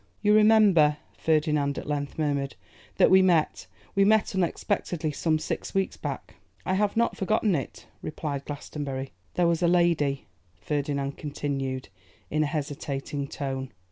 'You remember,' Ferdinand at length murmured, 'that we met, we met unexpectedly, some six weeks back.' 'I have not forgotten it,' replied Glastonbury. 'There was a lady,' Ferdinand continued in a hesitating tone.